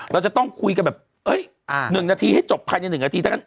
เราจะต้องคุยกันแบบ๑นาทีให้จบภายใน๑นาทีเท่านั้น